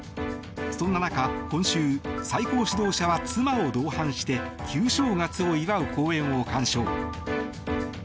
そんな中、今週最高指導者は妻を同伴して旧正月を祝う公演を鑑賞。